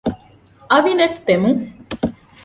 އަވިނެޓް ދެމުން